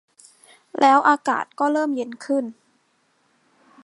แล้วอากาศก็เริ่มเย็นขึ้น